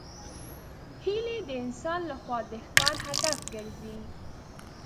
هیلۍ د انسان له خوا د ښکار هدف ګرځي